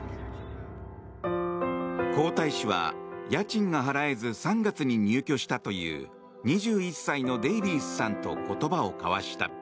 皇太子は、家賃が払えず３月に入居したという２１歳のデイビースさんと言葉を交わした。